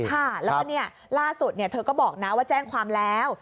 ใช่ค่ะแล้วก็เนี่ยล่าสุดเนี่ยเธอก็บอกนะว่าแจ้งความแล้ว